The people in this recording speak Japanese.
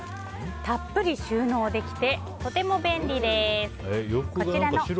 たっぷり収納できてとても便利です。